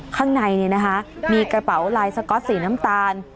ข้างในมีกระเป๋าลายสก๊อตสีน้ำตาล